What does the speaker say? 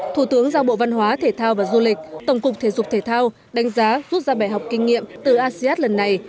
thủ tướng giao bộ văn hóa thể thao và du lịch tổng cục thể dục thể thao đánh giá rút ra bài học kinh nghiệm từ asean lần này